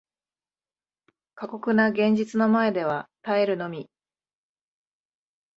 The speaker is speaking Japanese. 過酷な現実の前では耐えるのみ